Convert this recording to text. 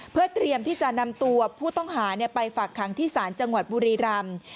เพื่อเตรียมที่จะนำตัวผู้ต้องหาไปฝากขังที่ศาลจังหวัดบุรีรำ